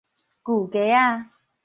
舊街仔